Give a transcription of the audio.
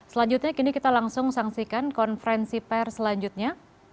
selanjutnya kini kita langsung saksikan konferensi per selanjutnya